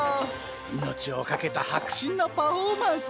命を懸けた迫真のパフォーマンス。